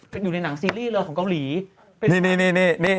เป็นการกระตุ้นการไหลเวียนของเลือด